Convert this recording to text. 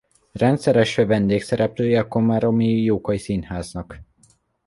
Rendszeres vendégszereplője a komáromi Jókai Színháznak.